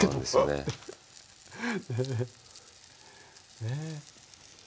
ねえ。